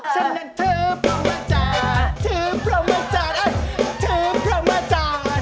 ฉันนั้นถือพระมจารย์ถือพระมจารย์